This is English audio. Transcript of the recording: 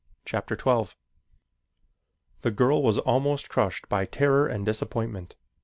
Chapter XII The Black Flier The girl was almost crushed by terror and disappointment.